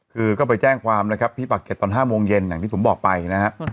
คือก็ไปแจ้งความนะครับที่ปากเก็ตตอน๕โมงเย็นอย่างที่ผมบอกไปนะฮะ